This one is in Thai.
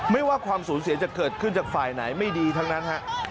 ไม่ว่าความสูญเสียจะเกิดขึ้นจากฝ่ายไหนไม่ดีทั้งนั้นฮะ